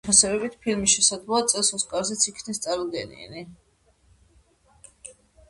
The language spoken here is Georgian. წინასწარი შეფასებებით, ფილმი შესაძლოა წელს ოსკარზეც იქნას წარდგენილი.